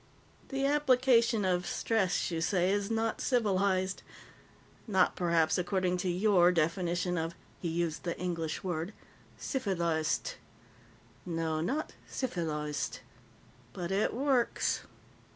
"The application of stress, you say, is not civilized. Not, perhaps, according to your definition of" he used the English word "_cifiliced__. No. Not cifiliced but it works."